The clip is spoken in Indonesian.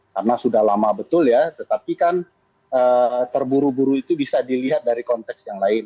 karena sudah lama betul ya tetapi kan terburu buru itu bisa dilihat dari konteks yang lain